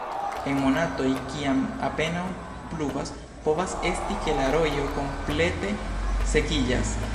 En monatoj, kiam apenaŭ pluvas, povas esti ke la rojo komplete sekiĝas.